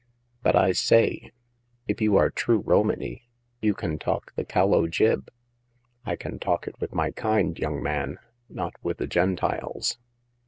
But I say— if you are true Romany, you can talk the calo jib." I talk it with my kind, 3'^oung man ; not with the Gentiles."